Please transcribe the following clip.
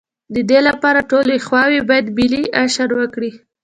د دې لپاره ټولې خواوې باید ملي اشر وکړي.